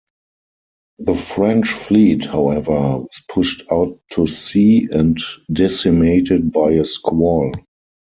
The French fleet, however, was pushed out to sea and decimated by a squall.